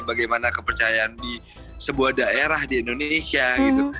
bagaimana kepercayaan di sebuah daerah di indonesia gitu